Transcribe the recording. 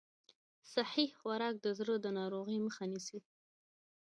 صحي خوراک د زړه د ناروغیو مخه نیسي.